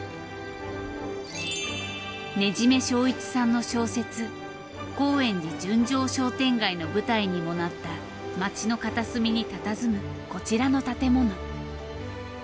ねじめ正一さんの小説『高円寺純情商店街』の舞台にもなった町の片隅にたたずむこちらの建物。